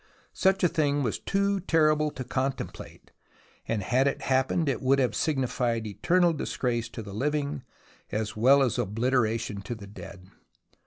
Such a thing was too terrible to contemplate, and had it happened it would have signified eternal disgrace to the living, as well as obliteration to the dead.